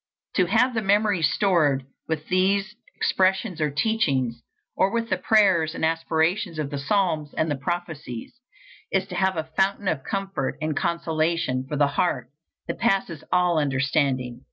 To have the memory stored with these expressions or teachings, or with the prayers and aspirations of the psalms and the prophecies, is to have a fountain of comfort and consolation for the heart, that passes all understanding.